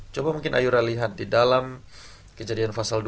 coba mungkin ayura lihat di dalam kejadian fasal dua